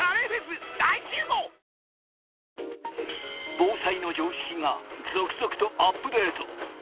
防災の常識が続々とアップデート。